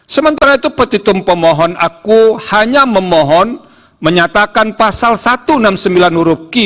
sementara itu petitum pemohon aku hanya memohon menyatakan pasal satu ratus enam puluh sembilan huruf q